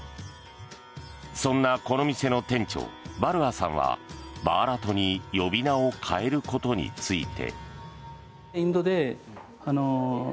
そんなこの店の店長バルアさんはバーラトに呼び名を変えることについて。